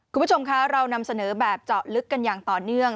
คุณผู้ชมคะเรานำเสนอแบบเจาะลึกกันอย่างต่อเนื่อง